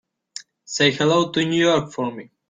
Say hello to New York for me.